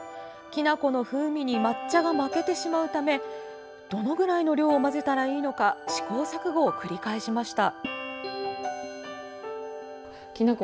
きな粉の風味に抹茶が負けてしまうためどのぐらいの量を混ぜたらいいのか試行錯誤を繰り返しました。